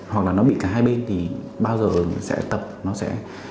hoặc là nó bị cả hai bên thì bao giờ sẽ tập nó sẽ